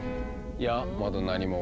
いやまだ何も。